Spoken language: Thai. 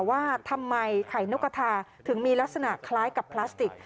ว่าทำไมไข่นกกระทาถึงมีลักษณะคล้ายกับพลาสติก